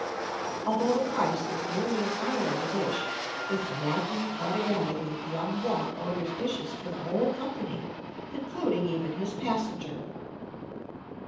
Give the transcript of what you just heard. Although the price is nearly a farthing a dish, with wanton prodigality Yung Po orders dishes for the whole company, including even his passenger!